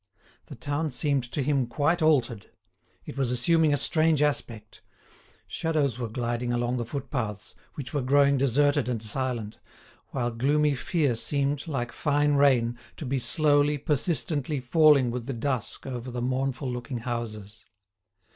The town seemed to him quite altered. It was assuming a strange aspect; shadows were gliding along the footpaths, which were growing deserted and silent, while gloomy fear seemed, like fine rain, to be slowly, persistently falling with the dusk over the mournful looking houses.